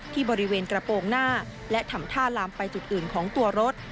ที่บริเวณกระโปรงหน้าและทำท่าลามไปจุดอื่นของตัวรถ